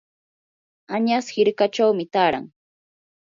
añas hirkachawmi taaran.